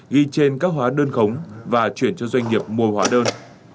ghi trên các hóa đơn khống và chuyển cho doanh nghiệp mua hóa đơn